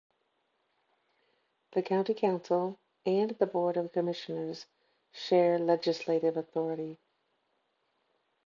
The county council and the board of commissioners share legislative authority.